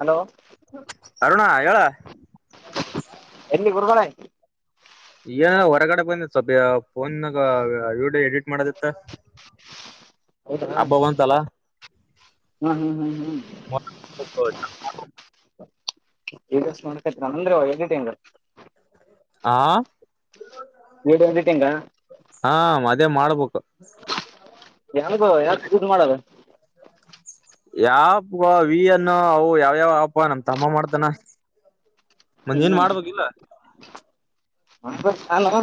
Hello Aruna ಹೇಳು ಎಲ್ಲಿ ಗುರುಗಳೇ ಈಗ ಹೊರಗಡೆ ಬಂದಿ ಸ್ವ ಫೋನಾಗ ವಿಡಿಯೋ ಎಡಿಟ್ ಮಾಡದಿತ್ತ ಹೌದಾ ಹಾ ಹಬ್ಬ ಬಂತಲ್ಲ ಹಾ‌ ಹಾ [unintelligible] ವೀಡಿಯೊ ನೋಡಕತೆರ್ ಅಂದ್ರ ಎಡಿಟಿಂಗ್ ಹಾ ವಿಡಿಯೋ ಎಡಿಟಿಂಗ್ ಗಾ ಹಾ ಅದೇ ಮಾಡ್ಬೇಕು ಯಾರಿಗೋ ಯಾಕ ದುಡ್ಡು ಮಾಡದ ಯಾ ಆ್ಯಪೊ ವಿ ಅನ್ನು ಅವು ಯಾವ ಆ್ಯಪೊ ನಮ್ ತಮ್ಮ ಮಾಡ್ತಾನ ಮಂದ ಏನ್ ಹಾಮ್ ಮಾಡ್ಬೇಕಿಲ್ಲ ನಾನು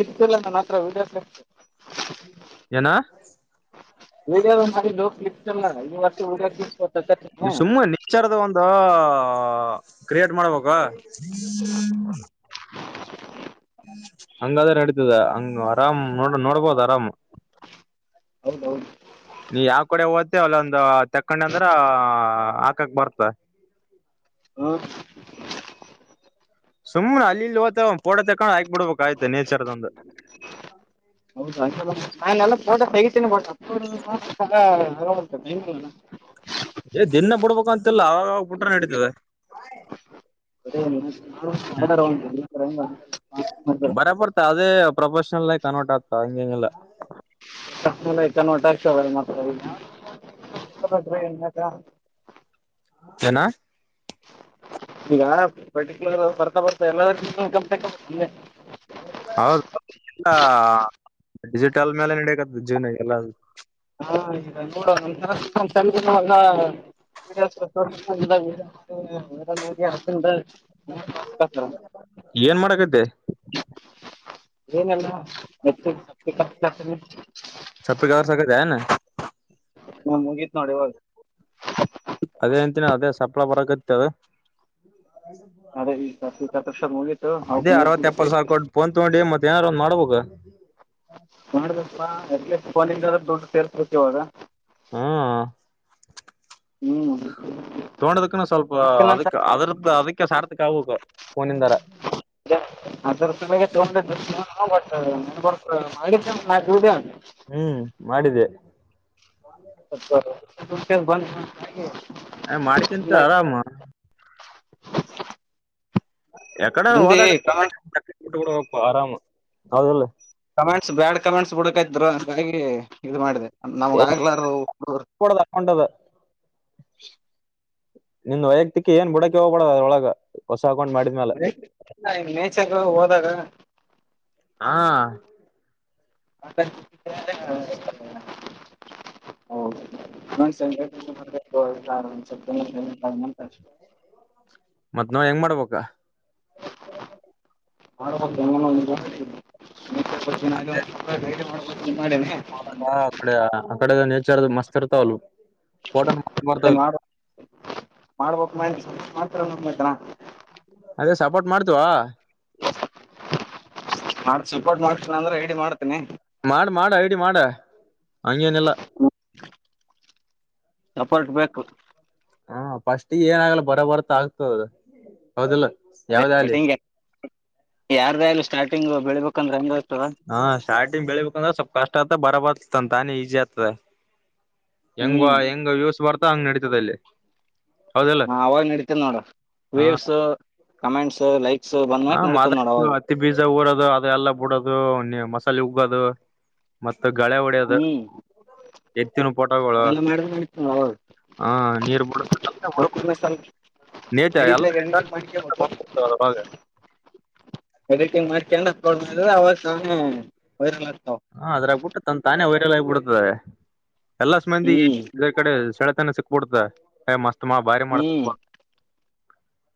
ಇರ್ತಿಲ್ಲ ನನ್ನ ಹತ್ರ ವಿಡಿಯೋಸ್ ಆಯ್ತೆ ಏನಾ? ವಿಡಿಯೋ ಮಾಡಿನೋ ಕ್ಲಿಕ್ [unintelligible] ಸುಮ್ಮ್ನೆ ನಿಚಾರದ ಒಂದು ಕ್ರಿಯೇಟ್ ಮಾಡ್ಬೇಕು [unintelligible] ಹಂಗದ್ರ ನಡೀತದ ಹಂಗ ಆರಾಮ್ ನೋಡ ನೋಡ್ಬೋದು ಆರಾಮ್ ಹೌದೌದು ನೀ ಯಾವ ಕಡೆ ಓಯ್ತಿಯೋ ಅಲ್ಲೊಂದು ತಕ್ಕೊಂಡೆ ಅಂದ್ರ ಹಾಕಕ್ ಬರ್ತ ಹ ಸುಮ್ನೆ ಅಲ್ಲಿ ಇಲ್ಲಿ ಹೋತ ಪೋಟೋ ತಕೊಂಡ್ ಹಾಕ ಬಿಡ್ಬೇಕ ಆಯ್ತು ನೇಚರ್ ಒಂದು ಹೌದ ನಾನೆಲ್ಲ ಫೋಟ ತಗಿತೀನಿ [unintelligible] ಏ ದಿನ ಬಿಡ್ಬೇಕು ಅಂತಿಲ್ಲ ಅವಾಗ ಬುಟ್ರ ನಡತದೆ [unintelligible] ಬರ ಬರ್ತ ಅದೇ ಪ್ರೊಫೆಷನಲ್ ನೈ ಕನ್ವರ್ಟ್ ಆಗ್ತ ಹಂಗಂಗಗೆಲ್ಲ ಕಟರ್ಷ ಮಾ [unintelligible] ಜನ ಈಗ ಪರ್ಟಿಕ್ಯುಲರ್ ಬರ್ತಾ ಬರ್ತಾ ಇನ್ಕಮ್ ಟಕ್ ಸುಮ್ಮನೆ ಹೌದು ಡಿಜಿಟಲ್ ಮೇಲೆ ನಡಕತದ ಜೀವನ ಎಲ್ಲ ಹಾೋಡ [unintelligible] ರಿ ಹಾಕನ್್ರ [unintelligible] ಏನ್ ಮಾಡಕತ್ತೆ ಏನಲ್ಲ ಮ [unintelligible] ಸಪ್ಪಿಗ ಸಕಾಯ ನಾ ಮುಗೀತ್ ನೋಡಿ ಇವಾಗ ಅದೇ ಅಂತಿನ ಅದೇ ಸಪ್ಲಾ ಬರಕತ್ತಿ ಅದು ಅದೇ ಈ ಸಪ್ಪೆ ಕತ್ತರ್ಸೋದು ಮುಗೀತು ಅವಕ್ಕೆ ಅದೇ ನೀರು ಅರವತ್ತ ಕುಡಿಸಿ ಎಪ್ಪತ್ತು ಸಾವಿರ ಕೊಟ್ಟು ಫೋನ್ತ್ಗೊಂಡಿ ಮತ್ತ ಏನಾರು ಒಂದು ಮಾಡ್ಬೇಕು ನೋಡ ಅಟ್ಫೋನಿಂದ್ರೆ ದದುಡ್ಡ ಸೇರ್ಸ್ಕಡ್ತತಿವಾಗ ಹ್ಮ ಹ್ಮ್ ತೋೊಂಡದಕ್ಕನು ಸ್ವಲ್ಪ ಅದಕ್ ಅದ್ರದ್ದ ಅದಕ್ಕೆ ಸಾರ್ಥಕ್ ಆಗ್ಬೇಕು ಫೋನಿಂದಾರ ಅದರ ಸಲುಗೆ ತಗೊಂಡಿದ್ದು ಹಾಟ್ಟೆ ಮಡೂಡಿಯ [unintelligible] ಹ್ಮ್ ಮಾಡಿದ್ದೆ ಬಂದ ಅ ಮಾಡ್ಿಕಿಂತ ಆರಾಮ ಎಕಡೆ ಮಂದಿ ಹೋದಾಗಡ ಕಮೆಂಟ್ಸ್ ಹೋಗು ಆರಾಮ್ ಹೌದಲ್ಲ ಕಮೆಂಟ್ಸ್ ಬ್ಯಾಡ್ ಕಮೆಂಟ್ಸ್ ಬಿಡ್ಕ ಇದರು ಹಾಗಿ ಇದು ಮಾಡಿದೆ ನಮ್ಗ ಆಗ್ಲಾರ ಹ ಹೊಂಡದು ನಿಂದ್ ವೈಯಕ್ತಿಕ ಏನ್ ಬುಡಕ ಹೋಗಬೇಡ ಅದರ ಹೊಳಗ ಹೊಸ ಅಕೌಂಟ್ ಮಾಡಿದ್ಮ ನೇಚರ್ ಹೋದಾಗ ಹಾ [unintelligible] [unintelligible] ಸಂಜೆ [unintelligible] ಮತ್ ನೋಡ ಹೆಂಗ ಮಾಡ್ಬೇಕಾ ಮಾಡಬೇಕಾ [unintelligible] ಡೈಲಿ ಮಾಡೇನೆ ಆ ಕಡೆ ಅಕಡೆ ನೇಚರ್ ಮಸ್ತ್ ಇರ್ತಾವಲ್ ಫೋಟೋ ಮಸ್ತ್ ಬರ್ತಾವ ಇಲ್ಲಿ ಮಾಡ ಮಾಡ್ಬೇಕು [unintelligible] ಮಾಡ್ತ [unintelligible] ಅದೇ ಸಪೋರ್ಟ್ ಮಾಡ್ತೀವ [unintelligible] ಸಪೋರ್ಟ್ ಮಾಡ್ತೀನಿ ಅಂದ್ರ ಇಡಿ ಮಾಡ್ತೀನಿ ಮಾಡ ಮಾಡ ಐಡಿ ಮಾಡ ಹಂಗೇನಿಲ್ಲ [unintelligible] ಎಫರ್ಟ್ ಬೇಕು ಹ ಫಸ್ಟ್ ಏನ ಆಗಲ್ಲ ಬರ ಬರ್ತಾ ಆಗ್ತದದು ಹೌದಲ್ಲ ಅದೇ ಸ್ಟಾರ್ಟಿಂಗ್ ಯಾರ್ದೇ ಆಗ್ಲಿ ಸ್ಟಾರ್ಟಿಂಗ್ ಬೆಳಿಬೇಕು ಹಾ ಸ್ಟಾರ್ಟಿಂಗ್ ಬೆಳಿಬೇಕಂದ್ರೆ ಸ್ವಲ್ಪ ಕಷ್ಟ ಆತ ಬರಬರಂತಾನೆ ಈಜಿ ಆಗ್ತದೆ ಹೆಂಗ ಹ್ಮ್ ಹೆಂಗ ವಿವ್ಸ್ ಬರ್ತಾ ಹಂಗ್ ನಡೀತದ ಅಲ್ಲಿ ಹಾ ಅವಾಗ್ ನಡಿತನ ನೋಡ ಹ ವಿವ್ಸ್ ಕಮೆಂಟ್ಸ್ ಲೈಕ್ ಹ ಮಾದ ಹತ್ತಿ ಬೀಜ ಊರದು ಅದ ಎಲ್ಲ ಬಿಡದು ನೀ ಮಸಾಲೆ ಉಗ್ಗೋದು ಮತ್ತ ಗಳೆ ಹೊಡೆಯೋದು ಹ್ಮ್ ಎತ್ತಿನ ಪೋಟೋಗಳು ಅವೆಲ್ಲ ಮಾಡಿದ್ರ ನಡೀತದ ನೋಡ ಅವಾಗ ಹಾ ನೀರ್ ಬಿಡ ಅವಕನ್ನ [unintelligible] ಸ್ವಲ್ಪ [unintelligible] ಎಲ್ಲ ಲೈಟಾಗಿ ಎಡಿಟಿಂಗ್ ಮಾಡ್ಕೇಬೇಕು [unintelligible] ಎಡಿಟಿಂಗ್ ಮಾಡ್ಕೊಂಡು ಅಪ್ಲೋಡ್ ಮಾಡಿದ್ರೆ ಅವಾಗ ಸ್ಯಾನೆ ವೈರಲ್ ಆಗ್ತವ ಹಾ ಅದ್ರಾಗಬಿಟ್ಟು ತನ್ ತಾನೇ ವೈರಲ್ ಆಗ್ಬಿಡ್ತದೆ ಎಲ್ಲಾ ಮಂದಿ ಹ್ಮ್ ಕಡೆ ಸೆಳೆತನ ಸಿಕ್ಬಿಡ್ತದ ಏ ಮಸ್ತ್ ಮಾ ಬಾರಿ ಹ್ಮ್ ಮಾಡ್ತ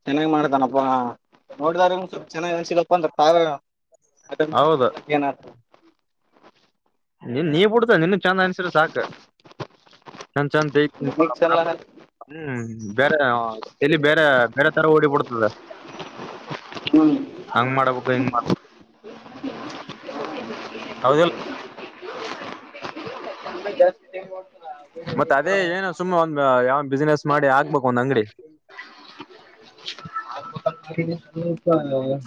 ಚೆನ್ನಾಗ್ ಮಾಡ್ತಾನಪ್ಪಾ ನೋಡಿದಾರ ಸ್ವಲ್ಪ ಚೆನ್ನಾಗಿನ್ ಸಿಗಪ್ಪ ಅಂದ್ರ ಹೌದು [unintelligible] ಏನ ನೀನ್ ನೀ ಬಿಡ್ತ ನಿನ್ ಚಂದ ಅನ್ಸ್ರ ಸಾಕ ಚಂದ ಚಂದ ಮಿಕ್ಸ್ ಎಲ್ಲ ಹ್ಮ್ ಬೇರೆ ಇಲ್ಲಿ ಬೇರೆ ಬೇರೆ ತರ ಓಡಿಬಿಡ್ತದೆ ಹ್ಮ್ ಹಂಗ್ ಮಾಡ್ಬೇಕು ಇಂಗ್ ಮಾಡ್ಬೇಕು ಹೌದಲ್ಲ [unintelligible] ಸುಮ್ಮಾ ಒಂದ್ ಯಾವ್ ಬಿಸ್ನೆಸ್ ಮಾಡಿ ಆಕ್ಬೇಕು ಒಂದ ಅಂಗಡಿ [unintelligible]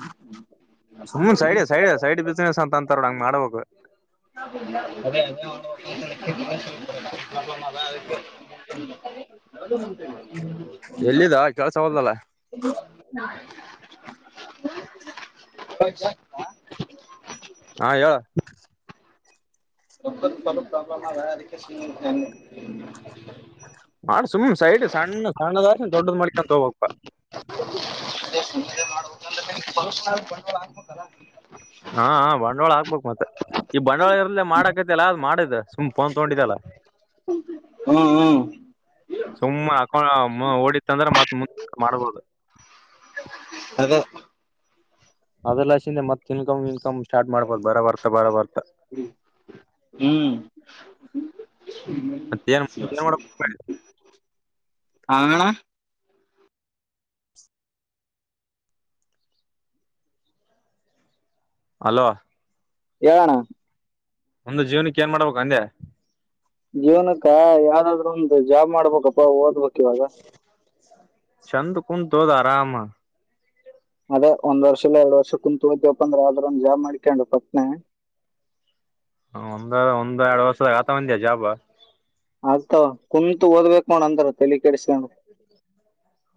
ಸುಮ್ನೆ ಸೈಡ್ ಸೈಡ್ ಸೈಡ್ ಬಿಸ್ನೆಸ್ ಅಂತ ಅಂತಾರಲ್ಲಹಂಗ್ ಮಾಡ್ಬೇಕು ಅದೇ ಎಲ್ಲಿದ ಕೆಲ್ಸ ಹೋದಲ್ಲ [unintelligible] [unintelligible] [unintelligible] ಹಾ ಹೇಳು ರೊಕ್ಕದ್ ಬಲು ಪ್ರಾಬ್ಲೆಮ್ ಅದ ಅದಕ್ಕೆ ಸುಮ್ನೆ [unintelligible] ಮಾಡು ಸುಮ್ ಸೈಡ್ ಸಣ್ಣ ಸಣ್ಣದ ದೊಡ್ಡದ್ ಮಾಡ್ಕಂತ ಹೋಗಬೇಕ್ಪ್ಪ [unintelligible] ಹಾ ಹಾ ಬಂಡವಾಳ ಹಕ್ಬೇಕು ಮತ್ತೆ ಈ ಬಂಡವಾಳ ಇರದಲ ಮಾಡಾಕತಿಲ್ಲಾ ಅದ್ ಮಾಡ್ ಸುಮ್ನೆ ಫೋನ್ ತಗೊಂಡಿದ್ದಲ್ಲಾ ಹ್ಮೂ ಹ್ಮು ಸುಮ್ಮ್ ಅಕೊಂಡ ಆ ಮಾ ಓಡಿತ್ತ ಅಂದ್ರೆ ಮತ್ ಮುಂದ ಮಾಡ್ಬೋದು [unintelligible] ಅದ ಅದೆಲ್ಲ ಹಸಿಂದ ಮತ್ ಇನ್ಕಮ್ ಗಿನ್ಕಮ್ ಸ್ಟಾಟ್ ಮಾಡ್ಬೇಕು ಬರ ಬರ್ತ ಬರ ಬರ್ತಾ ಹ್ಮ್ [unintelligible] ಮತ್ ಏನ್ ಏನ್ [unintelligible] ಮಾಡ್ಬೇಕ್ ಹಾ ಅಣ್ಣಾ ಅಲ್ಲೋ ಹೇಳಣ್ಣಾ ಮುಂದ ಜೀವನಕ್ಕೆ ಏನ್ ಮಾಡ್ಬೇಕ ಅಂದೆ ಜೀವನಕ್ಕ ಯಾವ್ದಾದ್ರು ಒಂದು ಜಾಬ್ ಮಾಡ್ಬೇಕಪ್ಪ ಓದ್ಬೇಕ್ ಇವಾಗ್ ಚೆಂದ ಕುಂತ್ ಓದ್ ಆರಾಮ. ಅದೇ ಒಂದ್ ವರ್ಷ ಇಲ್ಲ ಎರಡು ವರ್ಷ ಕುಂತ್ ಓದ್ಬೆಕ್ಂದ್ರ ಆದ್ರ ಒಂದ್ ಜಾಬ್ ಮಾಡ್ಕೊಂಡು ಪಟ್ನ ಒಂದ ಒಂದೆರಡ್ ವರ್ಷದಾಗ ಆತ ವಂದ್ಯಾ ಜಾಬ್ ಆಗ್ತಾವ ಕುಂತ್ ಓದಬೇಕು ನೋಡ್ ಅಂದ್ರ ತಲಿ ಕೆಡಿಸ್ಕೊಂಡು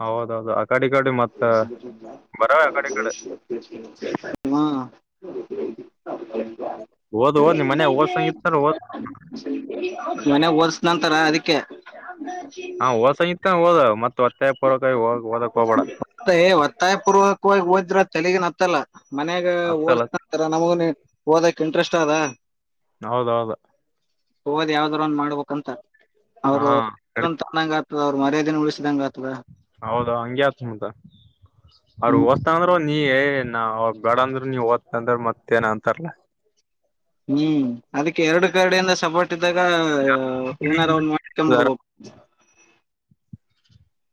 ಹೌದೌದು ಆಗ್ತಾ [unintelligible] ಆ ಕಡಿ ಈ ಕಡೆ ಹ್ಮಾ [unintelligible] [unintelligible] ಓದ್ ಓದ್ ನಿಮ್ ಮನ್ಯಾಗ ಓದ್ಸಂಗಿತ್ತಂದ್ರ ಓದ್ ಮನ್ಯಾಗ್ ಓದಸ್ತೆನಿ ಅಂತಾರ್ ಅದ್ಕೆ [inaudible] ಹಾ ಓದಸ್ತತ್ಸಂಗಿತ್ ಆದ ಮತ್ತ್ [unintelligible] ಹೋಗಓದಕ್ ಹೋಗಬೇಡ ಮತ್ತ್ ಏ ಒತ್ತಾಯ ಪೂರ್ವಕವಾಗಿ ಓದ್ರ ಅದ್ ತಲಿಗ್ ಏನ್ ಹತ್ತಲ್ಲ ಮನ್ಯಾಗ ಓದ ಹತ್ತಲ್ಲ ಈ ತರ ನಮಗೂ ಏನ್ [unintelligible] ಓದಾಕ್ ಇಂಟ್ರೆಸ್ಟ್ ಅದಾ ಹೌದೌದ. ಓದಿ ಯಾವ್ದ್ರ ಒಂದ ಮಾಡ್ಬೇಕಂತ್ ಹಾ ಅವರು ನಡೀತ [unintelligible] ಆಗ್ತದ ಅವ್ರ ಮರ್ಯಾದೇನು ಉಳಿಸಿದಂಗ್ ಆಗ್ತದ. ಹೌದೊ ಹಂಗೆ ಆಯ್ತದ ಮತ್ ಅವ್ರ ಹ್ಮ್ ಓದ್ತಾನ ಅಂದ್ರ ನೀ ಏನ ಅವ್ರ ಬೆಡಾ ಅಂದ್ರ ನೀ ಓದ್ತ ಅಂದ್ರ ಮತ್ತೇ ಏನ ಅಂತಾರಲ್ಲಾ ಹ್ಮ್ ಅದಕ್ಕೆ ಎರಡ ಕಡೆಯಿಂದ ಸಪೊರ್ಟ್ ಇದ್ದಾಗ ಏನಾರು ಒಂದ ಮಾಡ್ಕೊಂಡ್ ಬಿಡ್ಬೆಕು. [inaudible]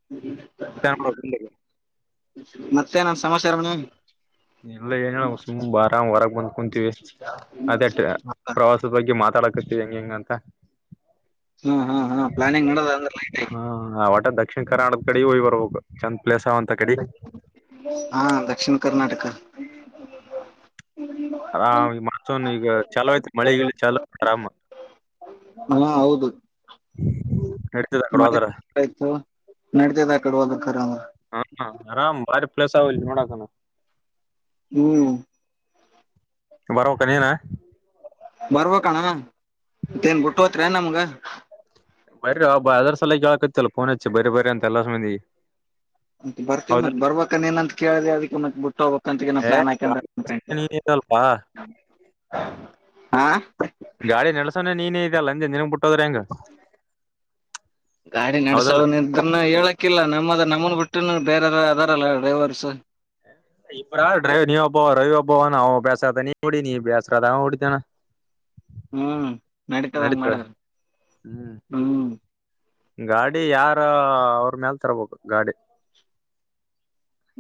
[unintelligible] [unintelligible] ಮತ್ತೆನ ಸಮಾಚಾರ [unintelligible] ಇಲ್ಲ ಏನ ಸುಮ ಆರಾಮ್ ಹೊರಗೆ ಬಂದ್ ಕುಂತೀವಿ ಅದೇ ಪ್ರವಾಸ ಬಗ್ಗೆ ಮಾತಾಡಾಕತ್ತೆವಿ ಹೆಂಗೆಂಗ ಅಂತ ಹ್ಮ್ ಹ್ಮ್ ಪ್ಲಾನಿಂಗ್ ನಡದ ಅಂದ್ರೆ [unintelligible] ಆಗಿ. ಹ್ಮ ಆ ಒಟ ಕರ್ನಾಟಕದ ಕಡೆಗೆ ಹೋಗಿ ಬರ್ಬೇಕು ಚಂದ್ ಪ್ಲೆಸ್ ಅವ [unintelligible] ಹಾ ದಕ್ಷಿಣ್ ಕರ್ನಾಟಕ [inaudible] ಆ [unintelligible] ಈಗ ಚಲೋ ಆಯ್ತಿ ಮಳಿ ಗಿಳಿ ಚಾಲೋ ಆರಾಮ್ ಹಾ ಹೌದು. ನಡ್ತಿದ ಆ ಕಡೆ ಮಳೆ ಹೋದ್ರ ಆಯ್ತು ತೊ ನಡಿತದ ಆ ಕಡೆ ಹೋದ್ರ ಕರೆವಂದ್ರ ಹಾ ಹಾ ಆರಾಮ್ ಬಾರಿ ಪ್ಲೇಸ್ ಆವಿಲ್ಲಿ ನೋಡಾಕ ಹ್ಮೂ. ಬರ್ಬೆಕ್ ನೀನ ಬರಬೇಕಣ್ಣ ಮತ್ತೇನ್ ಬಿಟ್ಟ ಹೋತ್ರ ನಮ್ಗ ಬರಿ ಒಬ್ಬ ಅದ್ರ ಸಲ ಕೇಳಕತ್ತಲ್ಲ ಫೋನ್ ಹಚ್ಚಿ ಬರರಿ ಬ್ರಿ ಅಂತಲ್ಲ ಸಂದಿ [unintelligible] ಅಂತ ಬರ್ತೀವಿ ಮತ್ ಬರ್ಬೇಕ ನ ಅಂತ ಕೇಳಿದ ಅದ ಮತ್ ಬಿಟ್ಟ ಹೋಗಬೇಕಂತ ಏ ಪ್ಲಾನ್ಕ [unintelligible] [inaudible] ಹಾ ಗಾಡಿ ನೆಡ್ಸೋಣ ನೀನೇ ಇದಲ್ಲ ಅಂದೆ ನಿನ್ಗ್ ಬಿಟ್ಟೋದ್ರೆ ಹೆಂಗ ಗಾಡಿ ಹೌದಲ್ಲ ನಡ್ಸವನ ಇದನ್ನ ಹೇಳಕಿಲ್ಲ ನಮ್ಮದ ನಮ್ಮನ್ ಬಿಟ್ಟು ಬೇರೆ ಅದಾರಲ್ಲ ಡ್ರೈವರ್ಸ್ ಇ ನೀವಬ ರವಿ ಒಬ್ಬವ್ನೆ ಅವನು ಬಸ್ರದೆ ನೀಡಿ ನೀ ಬೇಸದೆ ಅವನು ಉಡಿತಾನ [inaudible] ಹ್ಮ್ ನಡತದಂಗ [unintelligible] ಮಾಡಿದ್ರ ಹ್ಮ್ ಗಾಡಿ ಯಾರ ಅವ್ರ ಮೇಲ್ ತರ್ಬೇಕು ಗಾಡಿ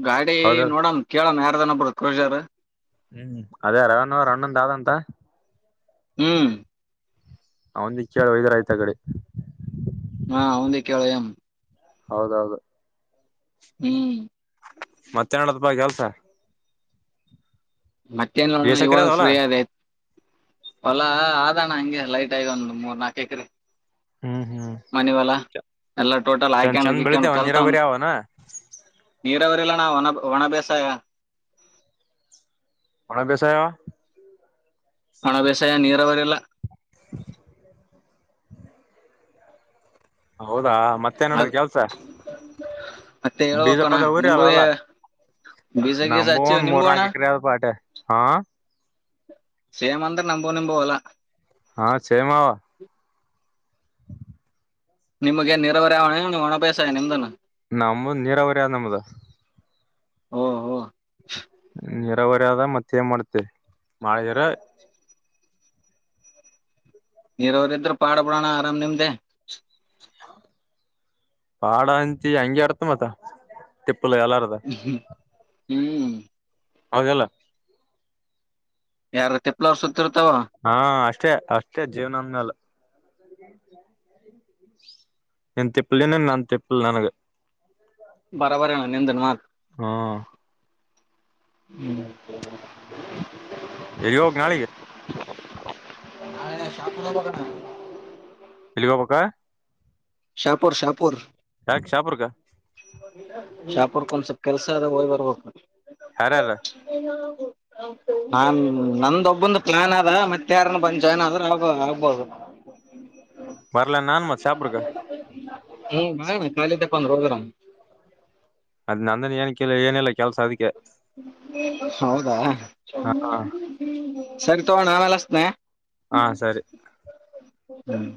ಗಾಡಿ ಹೌದಲ್ ನೋಡಣ ಕೇಳಣ ಯಾರ್ ಜನ ಬರುತ್ [unintelligible] ಹ್ಮ್ ಅದೇ [unintelligible] ಅವರ ಅಣ್ಣಂದ್ ದಾದಂತ ಹ್ಮ್ [unintelligible] ಗಾಡಿ ಹಾ ಅವನದೇ ಕೇಳ ಎಂ ಹೌದೌದು ಹ್ಮ್ ಮತ್ತ್ಯಾಣ [unintelligible] ಬ ಕೆಲ್ಸ ಮತ್ತೆ ನ್ ನೋಡಣ ಎಸ್ ಎಕರೆ ಇವಾಗ ಅದವಲ್ಲ ಫ್ರೀ ಅದೈತ್ ಹೊಲಾ ಆದಣ್ಣ ಹಂಗೆ ಲೈಟ್ ಐ ಒಂದು ಮೂರ್ ನಾಕ್ ಎಕ್ರೆ ಹ್ಮ್ ಹ್ಮ್ ಮನವಲಾ ಎಲ್ಲಾ ಟೋಟಲ್ ಚಂದ್ ಚಂದ್ ಆಯ್ಕೊಂಡ್ಕೊಂಡ್ ಬೆಳಿತೇವ ಕಲ್ತವ ನೀರಾವರಿ ಅವನ ನೀರ ಅವರಿಲ್ಲಣ್ಣ ಒಣ ಒಣ ಬೇಸಾಯ ಒಣಬೆಸೆಯವ ಒಣ ಬೇಸಾಯ ನೀರವರಿಲ್ಲ [inaudible] ಹೌದಾ ಮತ್ತೆ ನೋಡದ್ ಅದ್ ಕೆಲ್ಸ ಮತ್ತೆ ಬೀಜ ಹೇಳ್ಬೇಕಣ್ಣ ಪದ ಊರಿ ಅಲ್ಲ ನಿಂಬುವೆ ಅಲ್ಲ ಬೀಜ ಗೀಜ ನಂಬು ಹಚ್ಚಿವ್ ಒಂದ್ ನಿಂಬು ಮೂರ್ ಅಣ್ಣ ನಾಲ್ಕು ಎಕ್ರೆ ಅ ಪಾಟ ಹಾ. ಸೇಮ್ ಅಂದ್ರೆ ನಂಬೋ ನಿಂಬೋ ಹೊಲ. ಹಾ ಸೇಮ್ ಅವಾ ನಿಮ್ಗೆ ನಿರಾವರಿ ಅವಾ ಏನ್ ಒಣ ಬೇಸಾಯ ನಿಮ್ದು ನು ನಮ್ಮ ನೀರಾವರಿಯ ನಮ್ಮದು ಓ ಓ ನಿರಾವರಿ ಆದ್ದ್ ಮತ್ತ್ ಏನ್ ಮಾಡ್ತ್ತೇ ಮಾಡಿ ಅಂದ್ರ. ನೀರಾವರಿ ಇದ್ದರೆ ಪಾಡ್ ಬಿಡೋಣ ಆರಾಮ್ ನಿಮ್ದೇ. ಪಾಡ ಅಚಿ ಹಂಗಗೆ ಅರ್ತ ಮತ್ತ ತಿಪ್ಪಲು ಎಲ್ಲಾರು. ಹ್ಮ್ ಹೂ ಹೌದಲ್ಲ ಯಾರ ತಿಪ್ಪಲ ಅವ್ರ ಸುತ್ತಿರ್ತಾವ. ಹಾ ಅಷ್ಟೇ ಅಷ್ಟೇ ಜೀವನ ಅಂದ ಮೇಲೆ. ನಿನ್ನ ತಿಪ್ಪಿಲ ನಿನ್ನೆಗೆ ನನ್ನ ತಿಪ್ಪಿಲ್ಲ ನನಗೆ. ಬರಬರೇಣ್ಣ ನಿಂದ [unintelligible] ಹೂ ಹ್ಮ್ [unintelligible] ಅಯ್ಯೋ ಗಾಳಿ [inaudible] ಎಲ್ಲಿಗೋ ಪಕ್ಕ ಶಪರ್ ಸಾಪುರ್ ಯಾಕಕ್ ಶಾಪರ್ಗಾ ಶಾಪುರ್ಕ ಒಂದ್ ಸ್ವಲ್ಪ ಕೆಲ್ಸ ಅದಾಗ ಹೋಗ್ ಬರ್ಬೇಕ ಹಾರಾರ ಹ ನಾ ನಂದ ಒಬ್ಬಂದ ಪ್ಲಾನ್ ಅದ ಮತ್ತೆ ಯಾರನ್ನ ಬಂದ ಏನಾದ್ರೂ ಆ ಆಗ್ಬೋದು ಬರ್ಲ ನಾನ್ ಮತ್ ಶಾಪುರ್ಕ ಹ್ಮ ಭ ಕಾಲಿತಪ್ಪಂದು ರೋಜರಾಮ [unintelligible] ಅದ್ ನಂದನ ಏನ ಕಿಲ್ಲ ಏನಿಲ್ಲಲ್ಲ ಕೆಲಸ ಅದಕ್ಕೆ ಹೌದಾ ಹ ಸರಿ ತಗೋಣ ಆಮೆಲ್ಲಸ್ನೆ ಹ ಸರಿ ಹ್ಮ್